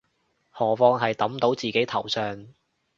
何況係揼到自己頭上